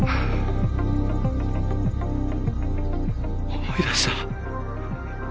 思い出した。